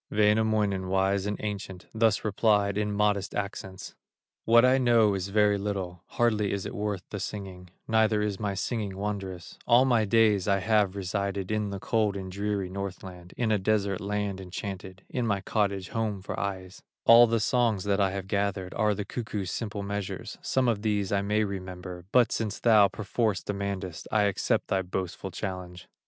Wainamoinen, wise and ancient, Thus replied in modest accents: "What I know is very little, Hardly is it worth the singing, Neither is my singing wondrous: All my days I have resided In the cold and dreary Northland, In a desert land enchanted, In my cottage home for ages; All the songs that I have gathered, Are the cuckoo's simple measures, Some of these I may remember; But since thou perforce demandest, I accept thy boastful challenge.